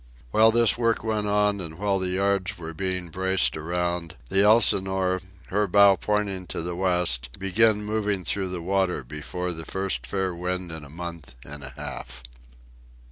While this work went on, and while the yards were being braced around, the Elsinore, her bow pointing to the west, began moving through the water before the first fair wind in a month and a half.